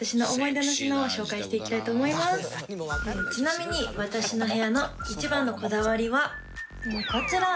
今から私のちなみに私の部屋の一番のこだわりはこちら！